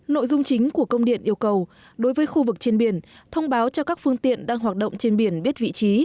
nội dung chính của công điện yêu cầu đối với khu vực trên biển thông báo cho các phương tiện đang hoạt động trên biển biết vị trí